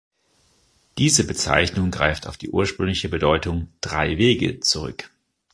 Diese Bezeichnung greift auf die ursprüngliche Bedeutung „drei Wege“ zurück.